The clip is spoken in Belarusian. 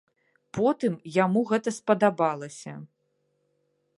Потым яму гэта спадабалася.